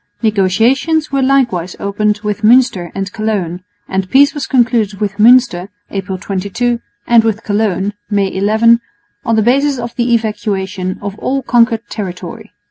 Negotiations were likewise opened with Münster and Cologne; and peace was concluded with Münster (April 22) and with Cologne (May 11) on the basis of the evacuation of all conquered territory.